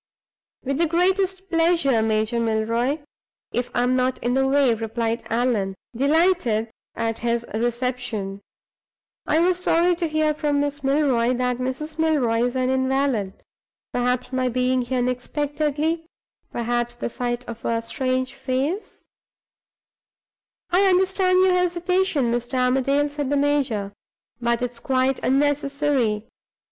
"With the greatest pleasure, Major Milroy, if I am not in the way," replied Allan, delighted at his reception. "I was sorry to hear from Miss Milroy that Mrs. Milroy is an invalid. Perhaps my being here unexpectedly; perhaps the sight of a strange face " "I understand your hesitation, Mr. Armadale," said the major; "but it is quite unnecessary.